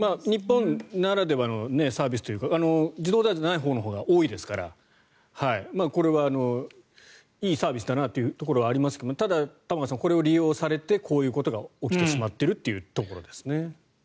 日本ならではのサービスというか自動ドアじゃないほうが多いですからこれはいいサービスだなというところはありますがただ、玉川さんこれを利用されてこういうことが起きてしまっているということですね。